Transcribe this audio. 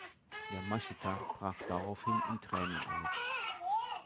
Yamashita brach daraufhin in Tränen aus.